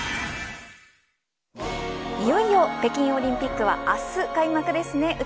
いよいよ北京オリンピックは明日開幕ですね